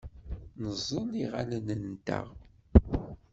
Neẓẓel iɣallen-nteɣ.